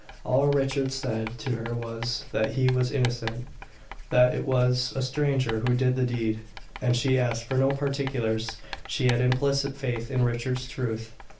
All Richard said to her was, that he was innocent, that it was a stranger who did the deed, and she asked for no particulars; she had implicit faith in Richard's truth."